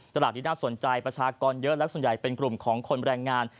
ตลาดนี้น่าสนใจประชากรเยอะและส่วนใหญ่เป็นกลุ่มของคนแรงงาน